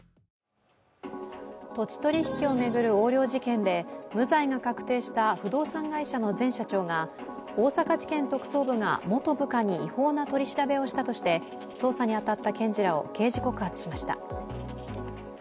土地取引を巡る横領事件で無罪が確定した不動産会社の前社長が大阪地検特捜部が元部下に違法な取り調べをしたとして捜査に当たった検事らを刑事告発しました。